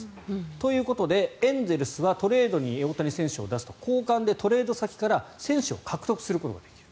ということでエンゼルスはトレードに大谷選手を出すと交換でトレード先から選手を獲得することができる。